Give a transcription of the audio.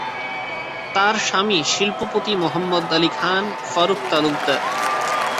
তার স্বামী শিল্পপতি মোহাম্মদ আলী খান ফারুক তালুকদার।